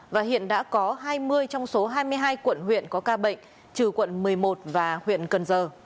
và hiện đã có hai mươi trong số hai mươi hai quận huyện có ca bệnh trừ quận một mươi một và huyện cần giờ